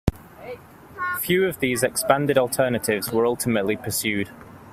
Few of these expanded alternatives were ultimately pursued.